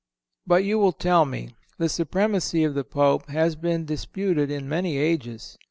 But you will tell me: "The supremacy of the Pope has been disputed in many ages."